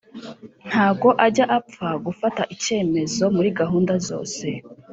ntago ajya apfa gufata ikemezo muri gahunda zose